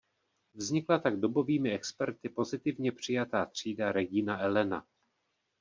Vznikla tak dobovými experty pozitivně přijatá třída "Regina Elena".